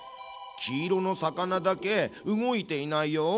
黄色の魚だけ動いていないよ。